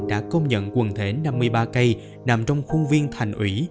đã công nhận quần thể năm mươi ba cây nằm trong khuôn viên thành ủy